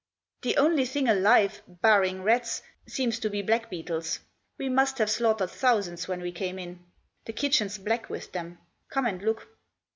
"The only thing alive, barring rats, seems to be blackbeetles. We must have slaughtered thousands when we came in. The kitchen's black with them. Come and look."